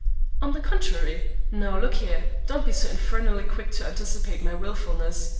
"On the contrary. Now, look here; don't be so infernally quick to anticipate my wilfulness.